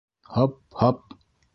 Һап-һап —